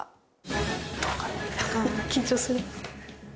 緊張する。